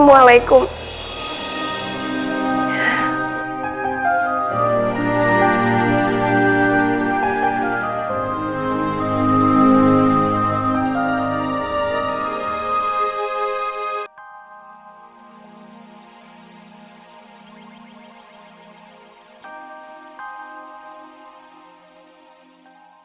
jadi kalau dia nangis dia akan berusaha